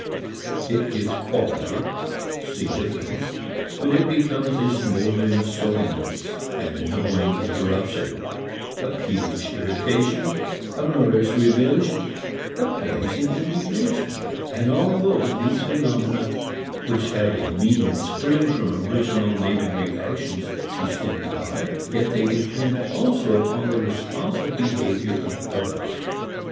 It gets quality, significance, when it becomes a smouldering sullenness, an annoying interruption, a peevish irritation, a murderous revenge, a blazing indignation. And although these phenomena which have a meaning spring from original native reactions to stimuli, yet they depend also upon the responsive behavior of others.